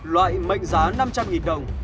loại mệnh giá năm trăm linh nghìn đồng